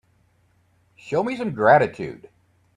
Show me some gratitude.